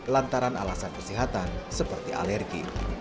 lantaran alasan kesehatan seperti alergi